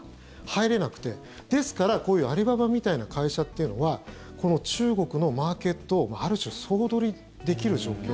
入れなくて、ですからこういうアリババみたいな会社っていうのはこの中国のマーケットをある種、総取りできる状況。